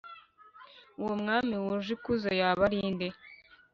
uwo mwami wuje ikuzo yaba ari nde